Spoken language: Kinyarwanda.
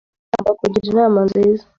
Nkusi agomba kugira inama nziza.